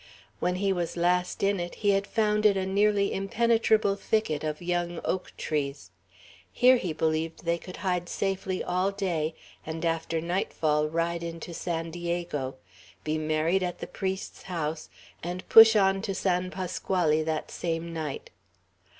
When he was last in it, he had found it a nearly impenetrable thicket of young oak trees. Here, he believed, they could hide safely all day, and after nightfall ride into San Diego, be married at the priest's house, and push on to San Pasquale that same night.